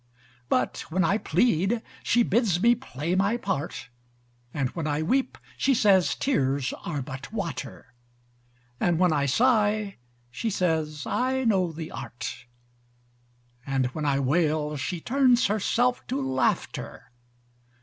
But when I plead, she bids me play my part, And when I weep, she says tears are but water: And when I sigh, she says I know the art, And when I wail she turns herself to laughter.